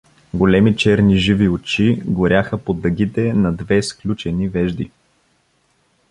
Големи черни, живи очи горяха под дъгите на две сключени вежди.